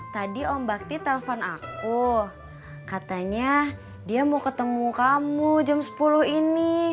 tadi om bakti telepon aku katanya dia mau ketemu kamu jam sepuluh ini